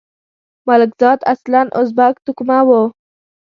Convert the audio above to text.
ملکزاد اصلاً ازبک توکمه وو.